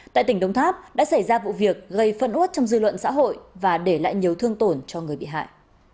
tại tỉnh đồng tháp đã xảy ra vụ việc gây phân út trong dư luận xã hội và để lại nhiều thương tổn cho người bị hại